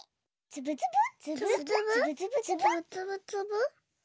つぶつぶ。